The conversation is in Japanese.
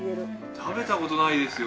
食べたことないですよ